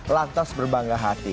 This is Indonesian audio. lantas berbangga hati